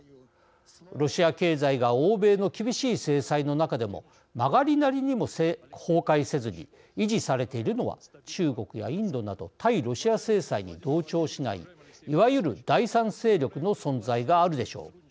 ロシア経済が欧米の厳しい制裁の中でも曲がりなりにも崩壊せずに維持されているのは中国やインドなど対ロシア制裁に同調しないいわゆる第三勢力の存在があるでしょう。